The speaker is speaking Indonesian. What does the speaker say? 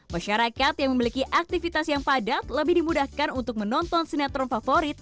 masyarakat yang memiliki aktivitas yang padat lebih dimudahkan untuk menonton sinetron favorit